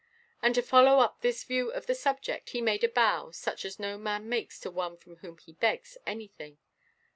And to follow up this view of the subject, he made a bow such as no man makes to one from whom he begs anything.